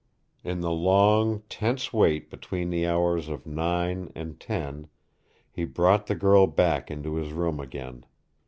In the long, tense wait between the hours of nine and ten he brought the girl back into his room again.